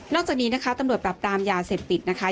จากนี้นะคะตำรวจปรับปรามยาเสพติดนะคะ